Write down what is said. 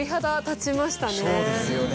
そうですよね。